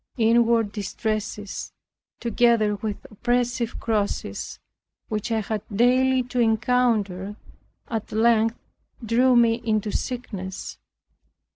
Inward distresses, together with oppressive crosses, which I had daily to encounter, at length threw me into sickness.